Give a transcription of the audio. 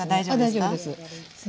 あ大丈夫です。